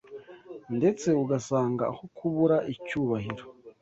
ndetse ugasanga aho kubura icyubahiro,